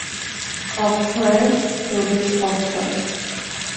অক্ষয়ের প্রবেশ অক্ষয়।